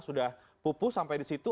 sudah pupu sampai di situ